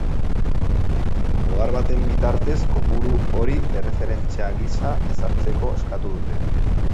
Ohar baten bitartez, kopuru hori erreferentzia gisa ezartzeko eskatu dute.